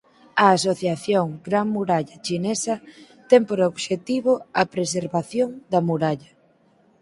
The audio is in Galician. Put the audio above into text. A Asociación Gran Muralla Chinesa ten por obxectivo a preservación da muralla.